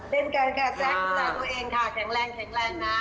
เป็นกันค่ะแจ๊คตัวตัวเองค่ะแข็งแรงนะ